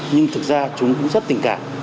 nhưng thực ra chúng cũng rất tình cảm